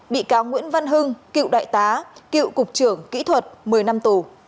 bị cáo nguyễn văn hưng cựu đại tá cựu cục trưởng kỹ thuật một mươi năm tù